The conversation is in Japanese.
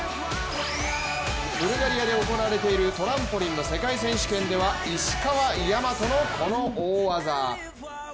ブルガリアで行われているトランポリンの世界選手権では石川和の、この大技。